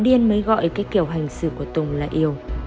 điên mới gọi cái kiểu hành xử của tùng là yêu